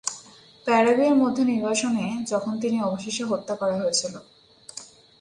Paraguay মধ্যে নির্বাসনে যখন তিনি অবশেষে হত্যা করা হয়েছিল।